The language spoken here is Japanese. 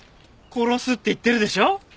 殺すって言ってるでしょ？